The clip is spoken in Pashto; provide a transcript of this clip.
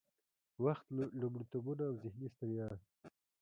وخت، لومړيتوبونه او ذهني ستړيا